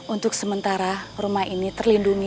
untuk sementara rumah ini terlindungi